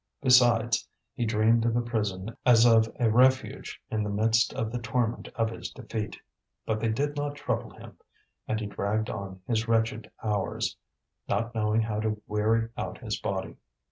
Besides, he dreamed of a prison as of a refuge in the midst of the torment of his defeat; but they did not trouble him, and he dragged on his wretched hours, not knowing how to weary out his body.